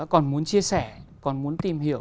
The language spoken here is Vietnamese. còn muốn chia sẻ còn muốn tìm hiểu